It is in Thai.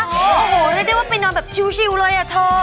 โอ้โหเราได้ด้วยไปนอนแบบชิลเลยอะเถอะ